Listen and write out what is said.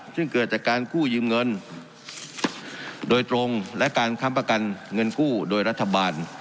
ซึ่งเกิดจากการกู้ยืมเงินโดยตรงและการค้ำประกันเงินกู้โดยรัฐบาล